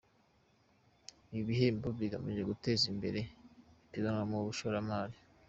Ibi bihembo bigamije guteza imbere ipiganwa mu bashoramari.